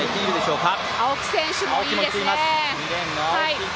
青木選手もいいですね。